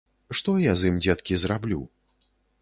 Што я з ім, дзеткі, зраблю?